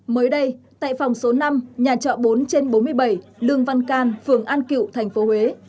mới đây tại phòng số năm nhà trọ bốn trên bốn mươi bảy lương văn can phường an cựu tp huế